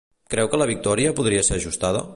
Creu que la victòria podria ser ajustada?